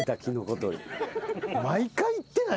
毎回行ってない？